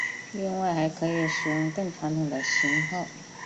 另外还可使用更传统的型号。